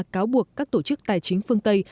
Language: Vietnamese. cáo buộc các tổ chức tài chính phương tây